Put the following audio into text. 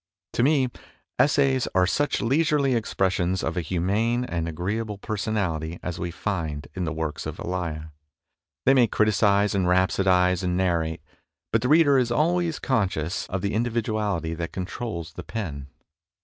To me, essays are such leisurely expressions of a humane and agree able personality as we find in the works of Elia. They may criticize and rhapsodize and narrate, but the reader is always conscious of the individuality that controls the pen.